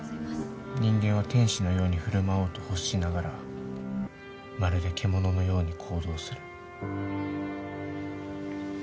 「人間は天使のように振る舞おうと欲しながら」「まるで獣のように行動する」